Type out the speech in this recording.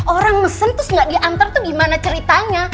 orang mesen terus nggak diantar tuh gimana ceritanya